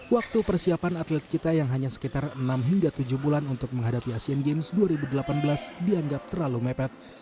waktu persiapan atlet kita yang hanya sekitar enam hingga tujuh bulan untuk menghadapi asian games dua ribu delapan belas dianggap terlalu mepet